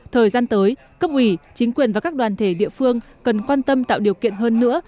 thời gian tới cấp ủy chính quyền và các đoàn thể địa phương cần quan tâm tạo điều kiện hơn nữa